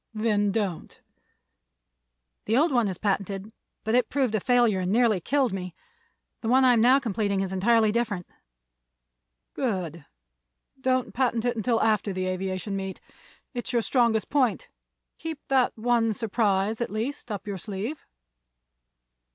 "Then don't." "The old one is patented, but it proved a failure and nearly killed me. The one I am now completing is entirely different." "Good. Don't patent it until after the aviation meet. It's your strongest point. Keep that one surprise, at least, up your sleeve."